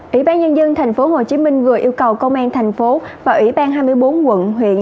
ủy ban nhân dân tp hcm vừa yêu cầu công an thành phố và ủy ban hai mươi bốn quận huyện